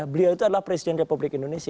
beliau itu adalah presiden republik indonesia